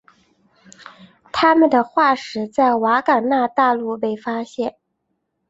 它们的化石在冈瓦纳大陆被发现。